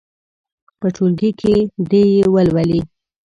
په ټولګي کې دې یې ولولي.